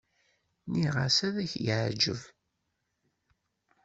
Nniɣ-as ad k-yeɛǧeb.